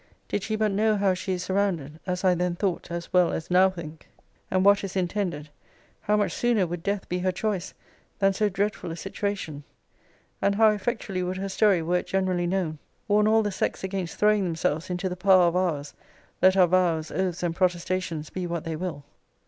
did she but know how she is surrounded, (as I then thought, as well as now think,) and what is intended, how much sooner would death be her choice, than so dreadful a situation! 'And how effectually would her story, were it generally known, warn all the sex against throwing themselves into the power of ours, let our vows, oaths, and protestations, be what they will!'